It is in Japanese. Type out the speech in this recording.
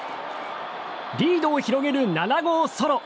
リードを広げる７号ソロ。